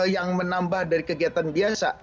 yang menambah dari kegiatan biasa